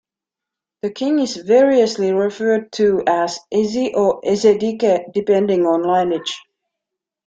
The King is variously referred to as "Eze" or "Ezedike", depending on lineage.